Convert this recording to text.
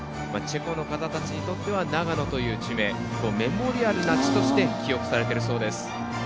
チェコの方たちにとっては「ナガノ」という地名はメモリアルな地として記憶されているそうです。